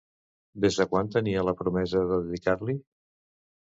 Des de quan tenia la promesa de dedicar-li?